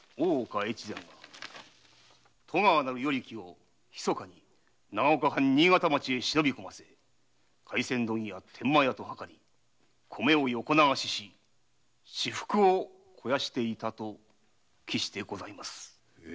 越前が戸川なる与力を密かに長岡藩新潟町へ忍び込ませ廻船問屋・天満屋と謀り米を横流しし私腹を肥やしていたと記してございます。